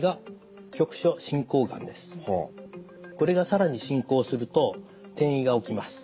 これが更に進行すると転移が起きます。